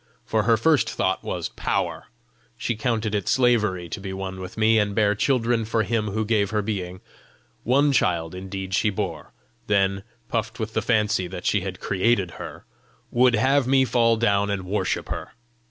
For her first thought was POWER; she counted it slavery to be one with me, and bear children for Him who gave her being. One child, indeed, she bore; then, puffed with the fancy that she had created her, would have me fall down and worship her!